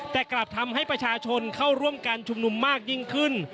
แต่กลับทำให้ประชาชนเข้าร่วมการชุมนุมมากยิ่งขึ้น